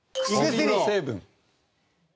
薬の成分。